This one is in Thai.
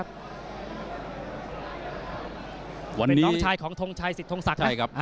วันนี้น้องชายของทงชัยสิทธงศักดิ์